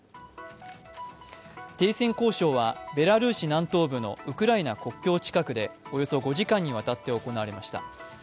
停戦交渉はベラルーシ南東部のウクライナ国境近くでおよそ５時間にわたって行われました。